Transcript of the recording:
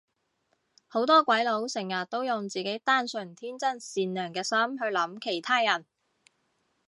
好多鬼佬成日都用自己單純天真善良嘅心去諗其他人